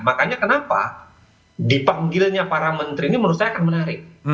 makanya kenapa dipanggilnya para menteri ini menurut saya akan menarik